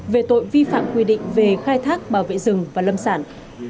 về tội vi phạm quy định về khai thác bảo vệ rừng và lâm sản